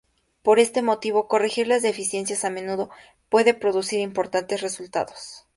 Por este motivo, corregir las deficiencias a menudo puede producir importantes resultados.